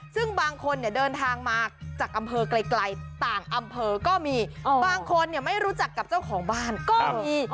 ซึ่งบางคนเนี่ยเดินทางมาจากอำเภอไกลต่างอำเภอก็มีบางคนไม่รู้จักกับเจ้าของบ้านก็มี